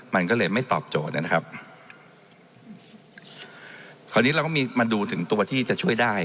มันก็เลยไม่ตอบโจทย์นะครับคราวนี้เราก็มีมาดูถึงตัวที่จะช่วยได้